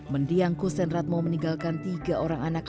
mendiang kusen ratmo meninggalkan tiga orang anak